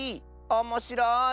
おもしろい！